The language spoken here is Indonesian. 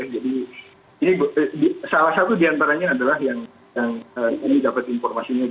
jadi salah satu diantaranya adalah yang ini dapat informasinya